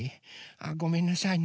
ごめんなさいね。